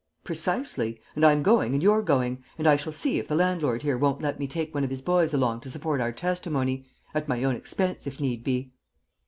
"Precisely; and I'm going and you're going, and I shall see if the landlord here won't let me take one of his boys along to support our testimony at my own expense if need be."